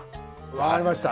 わかりました。